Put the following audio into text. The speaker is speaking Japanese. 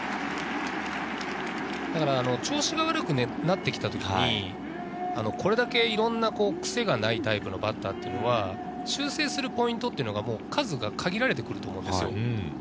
調子が悪くなってきた時に、これだけいろいろなクセがないタイプのバッターは修正するポイントが数が限られてくると思うんですよ。